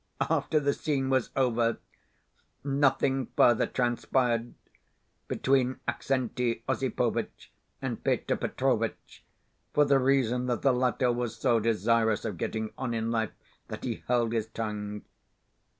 After the scene was over, nothing further transpired between Aksenti Osipovitch and Peter Petrovitch, for the reason that the latter was so desirous of getting on in life that he held his tongue.